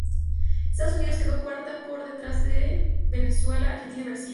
Estados Unidos quedó cuarta por detrás de Venezuela, Argentina y Brasil.